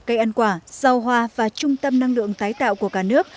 cây ăn quả rau hoa và trung tâm năng lượng tái tạo của cả nước